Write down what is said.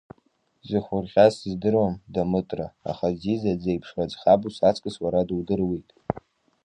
Дзыхурҟьаз сыздыруам, Дамытра, аха Зиза дзеиԥшра ӡӷабу саҵкыс уара дудыруеит.